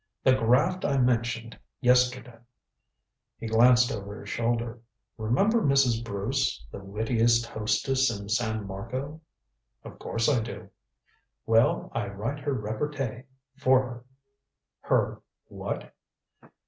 The graft I mentioned yesterday." He glanced over his shoulder. "Remember Mrs. Bruce, the wittiest hostess in San Marco?" "Of course I do." "Well, I write her repartee for her." "Her what?"